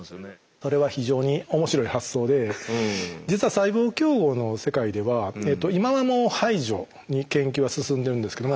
それは非常に面白い発想で実は細胞競合の世界では今はもう排除に研究は進んでるんですけども。